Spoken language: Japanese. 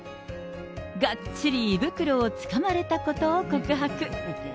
がっちり胃袋をつかまれたことを告白。